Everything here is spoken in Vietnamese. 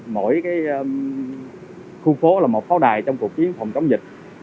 mỗi khu phố là một pháo đài trong cuộc chiến phòng chống dịch